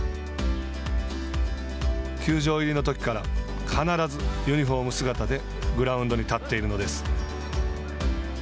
球場入りのときから必ずユニホーム姿でグラウンドに立っているのです。